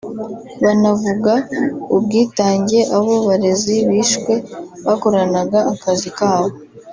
banavuga ubwitange abo barezi bishwe bakoranaga akazi kabo